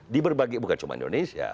di berbagai bukan cuma indonesia